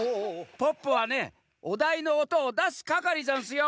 ポッポはねおだいのおとをだすかかりざんすよ。